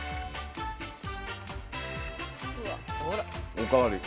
お代わり。